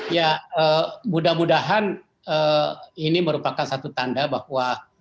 ya mudah mudahan ini merupakan satu tanda bahwa